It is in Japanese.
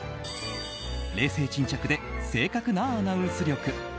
冷静沈着で正確なアナウンス力